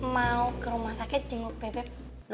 mau ke rumah sakit jenguk bebek